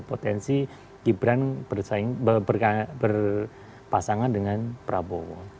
potensi gibran berpasangan dengan prabowo